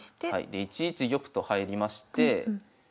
で１一玉と入りまして。